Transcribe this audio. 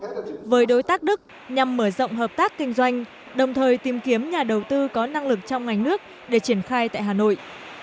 đối với đối tác đức nhằm mở rộng hợp tác kinh doanh đồng thời tìm kiếm nhà đầu tư có năng lực trong ngành nước để triển khai tại hà nội